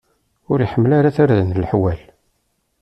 Ur iḥemmel ara tarda n leḥwal.